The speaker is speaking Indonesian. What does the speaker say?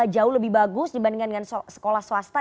jauh lebih bagus dibandingkan dengan sekolah swasta